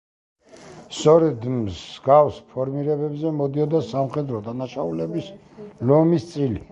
სწორედ მსგავს ფორმირებებზე მოდიოდა სამხედრო დანაშაულების ლომის წილი.